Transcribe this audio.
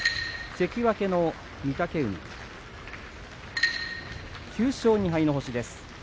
関脇の御嶽海９勝２敗の星です。